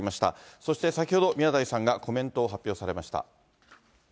そして先ほど、宮台さんがコメントを発表されました。